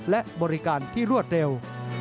และบริการที่รวดเร็ว